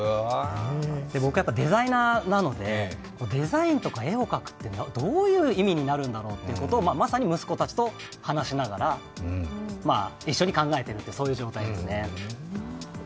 僕デザイナーなので、デザインとか絵を描くってどういう意味になるんだろうと、まさに息子たちと話しながら、一緒に考えているという状態ですね。